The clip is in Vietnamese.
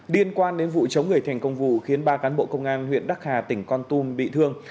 điên quan đến vụ chống người thi hành công vụ khiến ba cán bộ công an huyện đắc hà tỉnh con tum bị thương